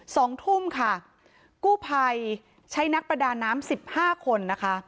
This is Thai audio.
สองทุ่มค่ะกู้ภัยใช้นักประดาน้ำสิบห้าคนนะคะ